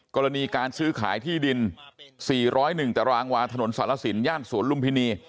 กรณีการซื้อขายที่ดิน๔๐๑ตารางวาถนนสารสินย่านสวนลุมพินี